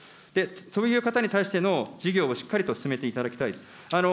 そういう方に対しての事業をしっかりと進めていただきたい。